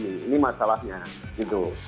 ini masalahnya gitu